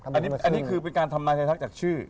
อันนี้คือเป็นการทำนายไทยทักจากชื่อ